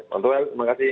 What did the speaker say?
bung toel terima kasih